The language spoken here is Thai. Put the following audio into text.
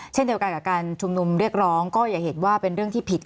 เช่นเดียวกันกับการชุมนุมเรียกร้องก็อย่าเห็นว่าเป็นเรื่องที่ผิด